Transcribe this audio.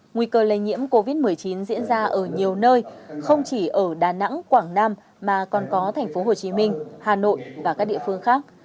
nguy cơ lây nhiễm covid một mươi chín diễn ra ở nhiều nơi không chỉ ở đà nẵng quảng nam mà còn có thành phố hồ chí minh hà nội và các địa phương khác